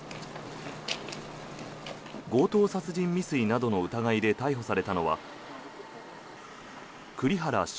強盗殺人未遂などの疑いで逮捕されたのは栗原翔